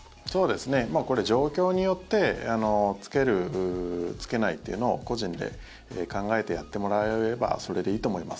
これ、状況によって着ける着けないというのを個人で考えてやってもらえばそれでいいと思います。